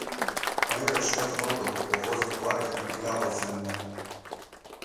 — Мый вет шкетын огыл, колхозник-влак дене пырля возенна.